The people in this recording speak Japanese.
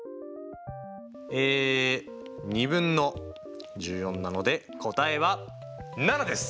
え２分の１４なので答えは７です！